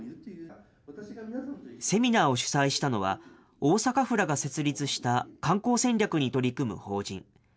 セミナーを主催したのは、大阪府らが設立した観光戦略に取り組む法人。